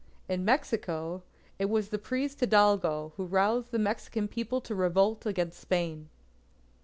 In Mexico, it was the priest Hidalgo who roused the Mexican People to revolt against Spain.